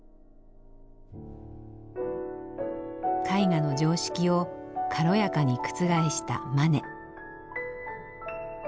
絵画の常識を軽やかに覆したマネ。